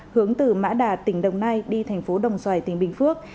hướng từ mã đà tỉnh đồng nai đi thành phố đồng xoài tỉnh bình phước